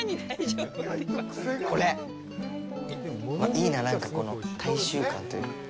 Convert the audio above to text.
いいな、なんかこの大衆感というか。